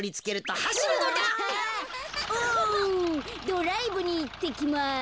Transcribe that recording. ドライブにいってきます。